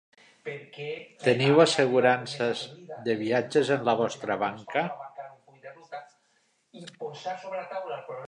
Teniu assegurances de viatges en la vostra banca?